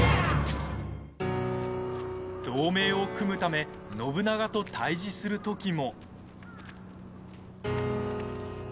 同盟を組むため信長と対じする時も。